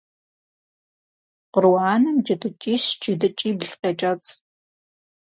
Къру анэм джэдыкӏищ-джэдыкӏибл къекӏэцӏ.